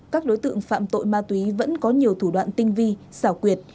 các đối tượng mua bán trái phép chất ma túy vẫn có nhiều thủ đoạn tinh vi xảo quyệt